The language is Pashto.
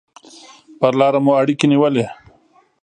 پر لاره مو اړیکې نیولې.